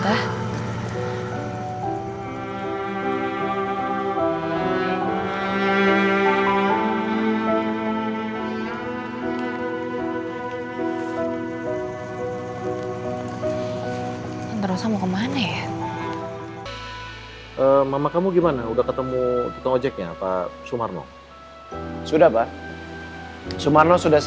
duduk dengan hari itu sendiri